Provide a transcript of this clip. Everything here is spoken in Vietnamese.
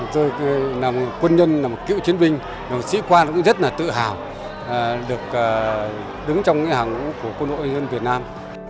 tôi là một quân nhân là một cựu chiến binh là một sĩ quan cũng rất là tự hào được đứng trong cái hàng của quân đội nhân dân việt nam